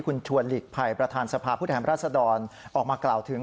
คุณชวนหลีกภัยประธานสภาพผู้แทนรัศดรออกมากล่าวถึง